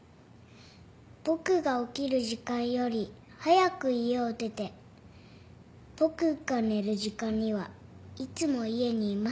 僕が起きる時間より早く家を出て僕が寝る時間にはいつも家にいませんでした。